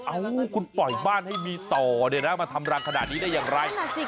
คุณปล่อยบ้านให้มีต่อเนี่ยนะมาทำรังขนาดนี้ได้อย่างไร